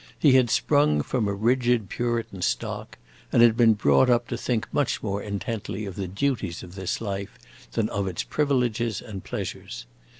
He had sprung from a rigid Puritan stock, and had been brought up to think much more intently of the duties of this life than of its privileges and pleasures.